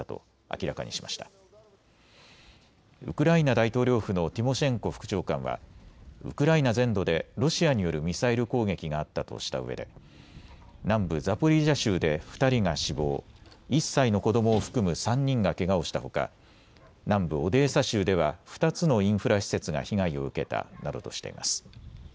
大統領府のティモシェンコ副長官はウクライナ全土でロシアによるミサイル攻撃があったとしたうえで南部ザポリージャ州で２人が死亡、１歳の子どもを含む３人がけがをしたほか、南部オデーサ州では２つのインフラ施設が被害を受けたなどとしています。